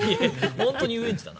本当に遊園地だな。